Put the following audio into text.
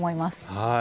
はい。